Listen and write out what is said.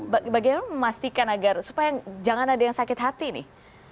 bagaimana memastikan agar supaya jangan ada yang sakit hati nih